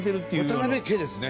渡辺家ですね。